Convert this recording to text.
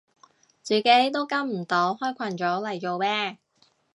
自己都跟唔到開群組嚟做咩